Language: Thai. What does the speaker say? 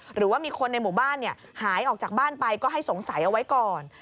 หรือว่ามีคนในหมู่บ้านหายออกจากบ้านไปก็ให้สงสัยเอาไว้ก่อน